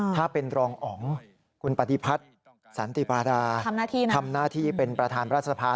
ถ้าเป็นรองอ๋องคุณปฏิพัฒน์สันติบาดาทำหน้าที่เป็นประธานรัฐสภา